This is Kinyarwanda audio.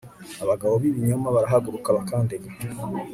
abagabo b ibinyoma barahaguruka bakandega